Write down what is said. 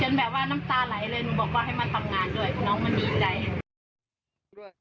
จนแบบว่าน้ำตาไหลเลยหนูบอกว่าให้มาทำงานด้วย